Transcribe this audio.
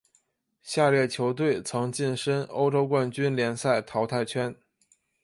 下列球队曾晋身欧洲冠军联赛淘汰圈。